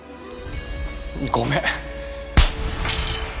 ごめん。